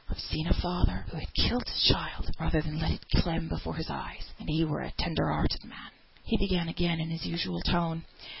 "I've seen a father who had killed his child rather than let it clem before his eyes; and he were a tender hearted man." He began again in his usual tone.